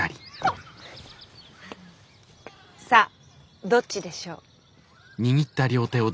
さあどっちでしょう？